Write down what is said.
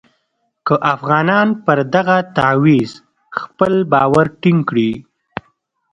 که افغانان پر دغه تعویض خپل باور ټینګ کړي.